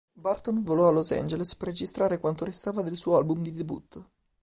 Burton volò a Los Angeles per registrare quanto restava del suo album di debutto.